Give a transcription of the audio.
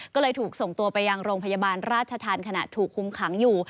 ก็เลยถูกส่งตัวไปยังโรงพยาบาลราชธรรมขณะถูกคุมขังอยู่